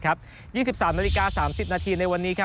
๒๓นาฬิกา๓๐นาทีในวันนี้